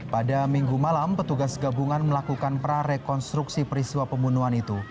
pada minggu malam petugas gabungan melakukan prarekonstruksi peristiwa pembunuhan itu